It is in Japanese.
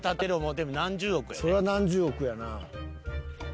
そりゃ何十億やな。